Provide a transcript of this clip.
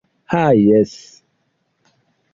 Ha, jes.